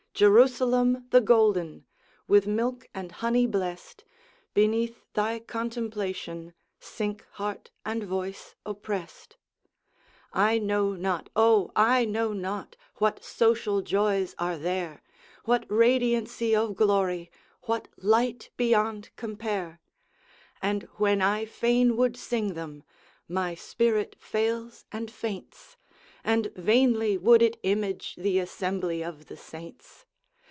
Jerusalem the golden! With milk and honey blest, Beneath thy contemplation Sink heart and voice opprest; I know not, oh, I know not What social joys are there, What radiancy of glory, What light beyond compare; And when I fain would sing them, My spirit fails and faints, And vainly would it image The assembly of the Saints.